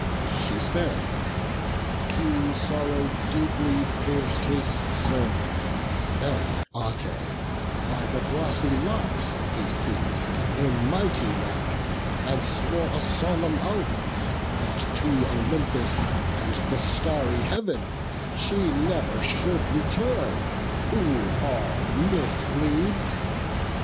She said: keen sorrow deeply pierc'd his soul; Then Ate by the glossy locks he seiz'd In mighty wrath; and swore a solemn oath, That to Olympus and the starry Heav'n She never should return, who all misleads.